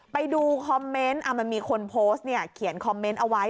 ไปดูคอมเมนต์มันมีคนโพสต์เขียนคอมเมนต์เอาไว้